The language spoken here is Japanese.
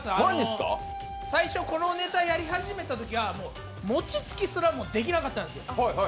最初このネタやり始めたときは餅つきすらもできなかったんです。